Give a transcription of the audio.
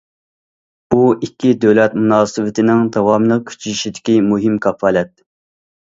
بۇ ئىككى دۆلەت مۇناسىۋىتىنىڭ داۋاملىق كۈچىيىشىدىكى مۇھىم كاپالەت.